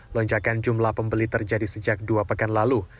lonjakan jumlah pembeli terjadi sejak dua pekan lalu